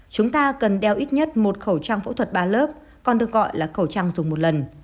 chúng ta cần đeo ít nhất một khẩu trang phẫu thuật ba lớp còn được gọi là khẩu trang dùng một lần